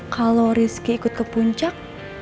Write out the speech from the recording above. kalau rizky ikut ke puncak